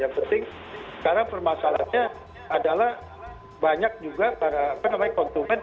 yang penting karena permasalahannya adalah banyak juga para apa namanya konsumen ya